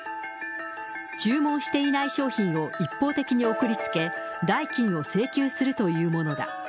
注文していない商品を一方的に送りつけ、代金を請求するというものだ。